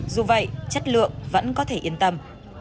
dù vậy chất lượng vẫn có thể yên tâm